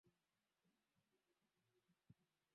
Kupumzika hakukubaliwi huku